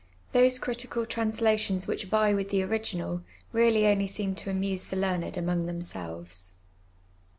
Those critical translations which Tie with the original, really only seem to amuse the learned among themselves.